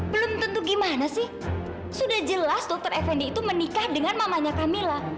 belum tentu gimana sih sudah jelas dr effendy itu menikah dengan mamanya kamila